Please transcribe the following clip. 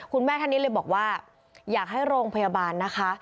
ท่านนี้เลยบอกว่าอยากให้โรงพยาบาลนะคะ